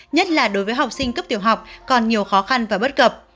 nhất là đối với học sinh cấp tiểu học còn nhiều khó khăn và bất cập